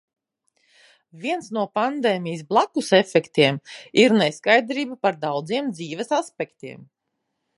Viens no pandēmijas "blakusefektiem" ir neskaidrība par daudziem dzīves aspektiem.